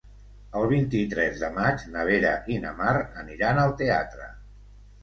El vint-i-tres de maig na Vera i na Mar aniran al teatre.